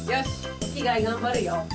おきがえがんばるよ。